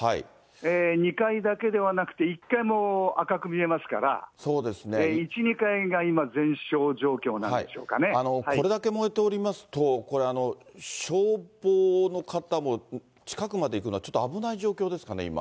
２階だけではなくて、１階も赤く見えますから、１、２階が今、これだけ燃えておりますと、これ、消防の方も近くまで行くのはちょっと危ない状況ですかね、今。